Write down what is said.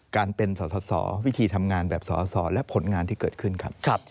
การเป็นสอสอวิธีทำงานแบบสอสอและผลงานที่เกิดขึ้นครับ